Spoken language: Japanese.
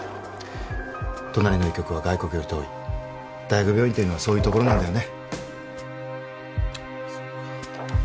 隣の医局は外国より遠い大学病院ってのはそういうところなんだよね